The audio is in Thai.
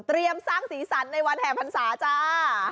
เตรียมสร้างศรีสันในวันแห่พันศาจ้า